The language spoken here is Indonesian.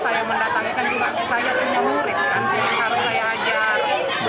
kalau memang ada masalahnya